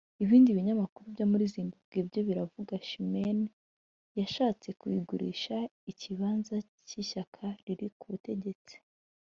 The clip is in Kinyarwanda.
Ibindi binyamakuru byo muri Zimbabwe byo biravuga Chimene yashatse kugurisha ikibanza cy’ishyaka riri ku butegetsi